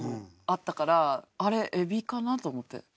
あったからあれエビかなと思って。